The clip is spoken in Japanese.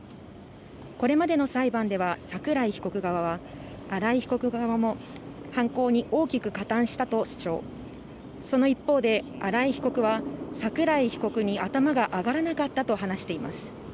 これまでの裁判では桜井被告側は新井被告側も犯行に大きく加担したと主張その一方で新井被告は桜井被告に頭が上がらなかったと話しています